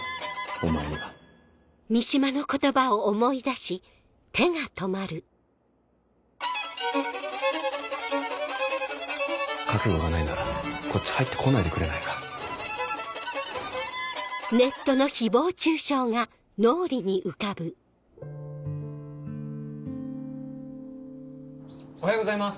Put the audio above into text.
お前には覚悟がないならこっち入ってこないでくれないかおはようございます！